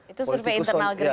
itu survei internal gerindra